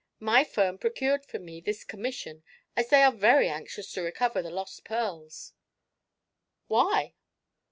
My firm procured for me this commission, as they are very anxious to recover the lost pearls." "Why?"